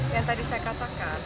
yang tadi saya katakan